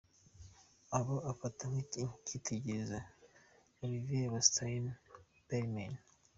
Abo afata nk’ikitegererezo: Olivier Rousteing, Balmain